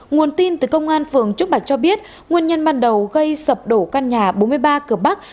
nguồn tin từ công an phường trúc bạch cho biết nguyên nhân ban đầu gây sập đổ căn nhà bốn mươi ba cửa bắc